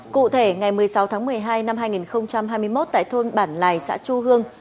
cụ thể ngày một mươi sáu tháng một mươi hai năm hai nghìn hai mươi một tại thôn bản lài xã chu hương